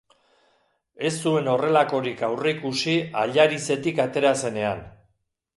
Ez zuen horrelakorik aurreikusi Allarizetik atera zenean.